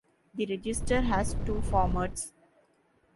The register has two formats.